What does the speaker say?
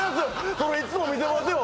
それいつも見てますよ。